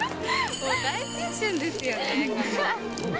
もう大青春ですよね。